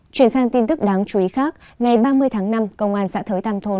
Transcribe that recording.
chuyển sang tin tức đáng chú ý khác ngày ba mươi tháng năm công an xã thới tam thôn